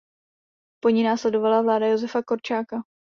Po ní následovala vláda Josefa Korčáka.